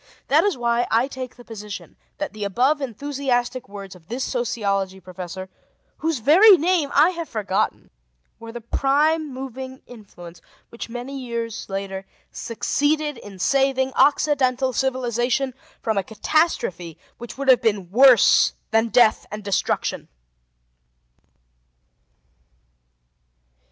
That is why I take the position that the above enthusiastic words of this sociology professor, whose very name I have forgotten, were the prime moving influence which many years later succeeded in saving Occidental civilization from a catastrophe which would have been worse than death and destruction.